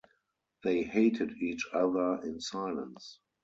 They hated each other in silence.